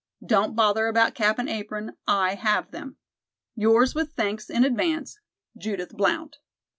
Don't bother about cap and apron. I have them. "'Yours with thanks in advance, "'JUDITH BLOUNT.'"